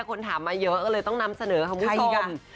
คนถามมาเยอะก็เลยต้องนำเสนอค่ะคุณผู้ชม